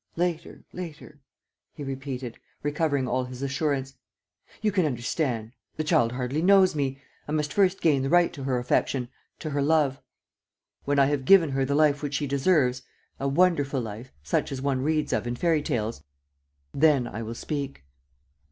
..." "Later, later," he repeated, recovering all his assurance. "You can understand ... the child hardly knows me. ... I must first gain the right to her affection, to her love. ... When I have given her the life which she deserves, a wonderful life, such as one reads of in fairy tales, then I will speak."